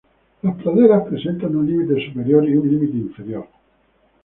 Las praderas presentan un límite superior y un límite inferior.